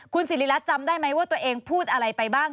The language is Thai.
คุณสิริรัตน์จำได้ไหมว่าตัวเองพูดอะไรไปบ้าง